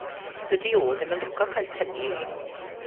Dydi o ddim yn licio cael tynnu 'i lun.